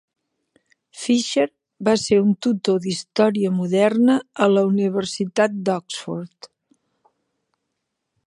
Fisher va ser un tutor d'història moderna a la Universitat d'Oxford.